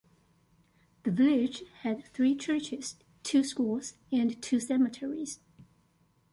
The Village had three churches, two schools, and two cemeteries.